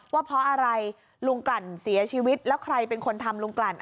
ว่าเพราะอะไรลุงกลั่นเสียชีวิตแล้วใครเป็นคนทำลุงกลั่น